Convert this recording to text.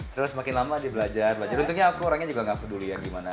terus makin lama dia belajar belajar untungnya aku orangnya juga gak peduli ya gimana